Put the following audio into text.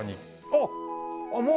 あっもう。